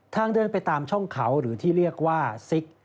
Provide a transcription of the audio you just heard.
เดินไปตามช่องเขาหรือที่เรียกว่าซิก